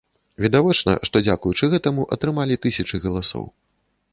Відавочна, што, дзякуючы гэтаму, атрымалі тысячы галасоў.